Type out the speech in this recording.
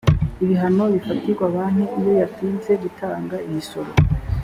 ibihano bifatirwa banki iyoyatinze gutanga imisoro.